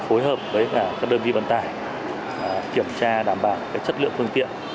phối hợp với các đơn vị vận tải kiểm tra đảm bảo chất lượng phương tiện